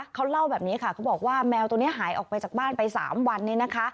เขาเล่าแบบนี้ค่ะเขาบอกว่าแมวตัวนี้หายออกไปจากบ้านไป๓วันนี้นะคะ